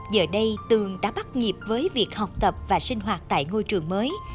giờ đây tường đã bắt nhịp với việc học tập và sinh hoạt tại ngôi trường mới